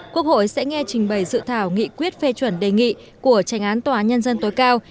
quốc hội sẽ nghe trình bày dự thảo nghị quyết phê chuẩn đề nghị của trành án tòa án nhân dân tối cao